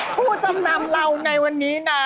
ผู้จำนำเราในวันนี้นะ